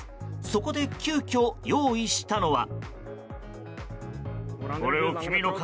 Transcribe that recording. そこで急きょ、用意したのは。